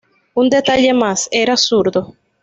Un detalle más: era zurdo.